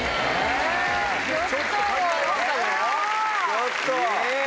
ちょっと！